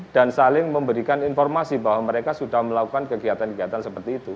saling memberikan informasi bahwa mereka sudah melakukan kegiatan kegiatan seperti itu